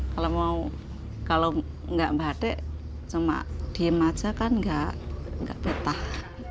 kalau nggak batik cuma diem aja kan nggak betah